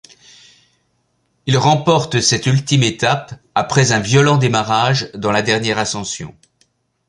Il remporte cette ultime étape, après un violent démarrage dans la dernière ascension.